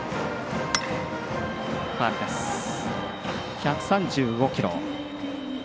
１３５キロ。